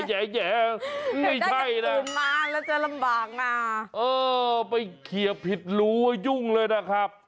ไม่ใช่นะเออไปเขียบผิดรูให้ยุ่งเลยนะครับ